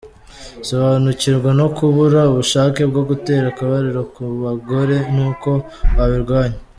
Sobanukirwa no kubura ubushake bwo gutera akabariro ku bagore nuko wabirwanya.